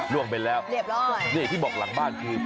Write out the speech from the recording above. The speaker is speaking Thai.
ร่วงไปแล้วที่บอกหลังบ้านคือเรียบร้อย